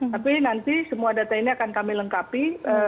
tapi nanti semua data ini akan kami lengkapi